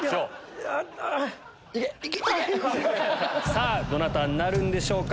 さぁどなたになるんでしょうか？